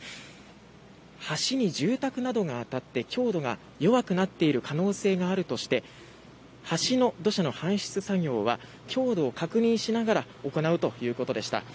橋に住宅などが当たって強度が弱くなっている可能性があるとして橋の土砂の搬出作業は強度を確認しながら行うということでした。